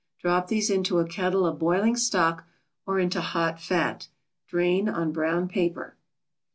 Drop these into a kettle of boiling stock, or into hot fat. Drain on brown paper.